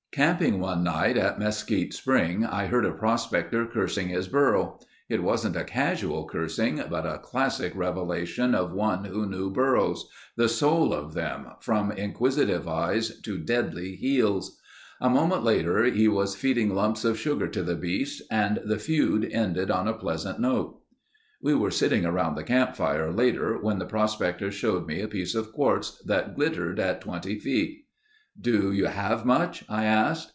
Camping one night at Mesquite Spring, I heard a prospector cursing his burro. It wasn't a casual cursing, but a classic revelation of one who knew burros—the soul of them, from inquisitive eyes to deadly heels. A moment later he was feeding lumps of sugar to the beast and the feud ended on a pleasant note. We were sitting around the camp fire later when the prospector showed me a piece of quartz that glittered at twenty feet. "Do you have much?" I asked.